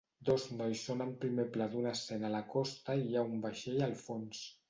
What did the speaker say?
Dos nois són en primer pla d'una escena a la costa i hi ha un vaixell al fons.